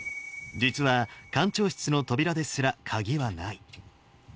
実は艦長室の扉ですら鍵はない。